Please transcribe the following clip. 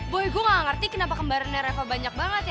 boi gue gak ngerti kenapa kembarannya reva banyak banget ya